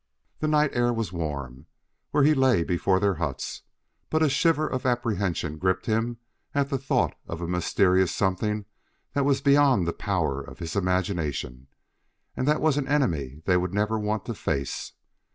The night air was warm, where he lay before their huts, but a shiver of apprehension gripped him at the thought of a mysterious Something that was beyond the power of his imagination, and that was an enemy they would never want to face.